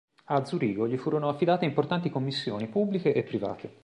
A Zurigo gli furono affidate importanti commissioni pubbliche e private.